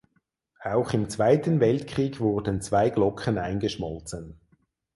Auch im Zweiten Weltkrieg wurden zwei Glocken eingeschmolzen.